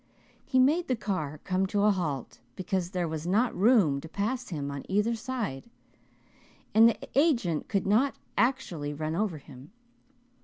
He made the car come to a halt, because there was not room to pass him on either side, and the agent could not actually run over him.